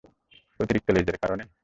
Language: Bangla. অতিরিক্ত লেজের কারণে?